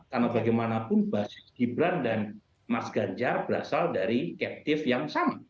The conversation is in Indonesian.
karena bagaimanapun bahasa gibran dan mas ganjar berasal dari kreatif yang sama